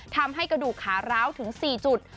ทำให้กระดูกขาร้าวถึง๔จุด